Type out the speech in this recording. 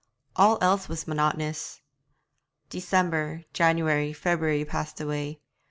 All else was monotonous. December, January, February passed away.